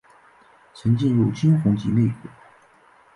曾进入金弘集内阁。